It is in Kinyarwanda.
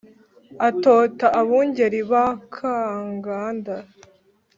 atota abungeri b' akaganda